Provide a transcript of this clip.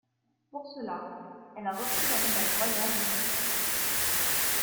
Pour cela, elle a reçu la Médaille royale du mérite.